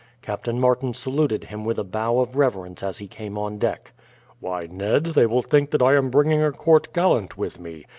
Captain Martin saluted him with a bow of reverence as he came on deck. "Why, Ned, they will think that I am bringing a court gallant with me.